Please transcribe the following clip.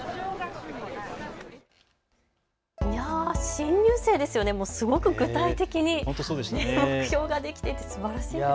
新入生ですよね、すごく具体的に目標ができていてすばらしいですね。